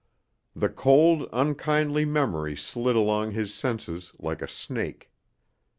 The cold, unkindly memory slid along his senses like a snake.